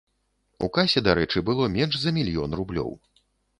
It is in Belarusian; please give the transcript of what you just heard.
У касе, дарэчы, было менш за мільён рублёў.